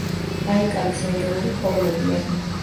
ბაიკალის ენდემური ფორმებია.